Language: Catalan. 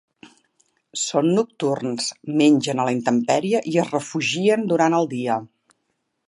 Són nocturns, mengen a la intempèrie i es refugien durant el dia.